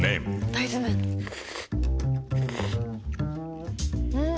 大豆麺ん？